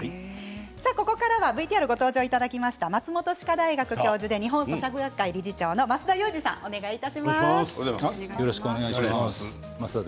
ここからはＶＴＲでもご登場いただきました松本歯科大学教授で日本咀嚼学会理事長の増田裕次さんです。